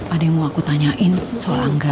ada yang mau aku tanyain soal enggak